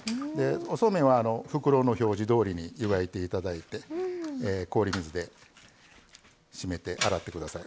おそうめんは袋の表示どおりに湯がいていただいて氷水でしめて洗ってください。